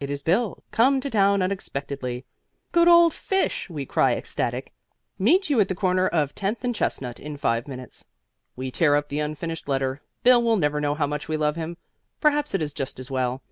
It is Bill, come to town unexpectedly. "Good old fish!" we cry, ecstatic. "Meet you at the corner of Tenth and Chestnut in five minutes." We tear up the unfinished letter. Bill will never know how much we love him. Perhaps it is just as well.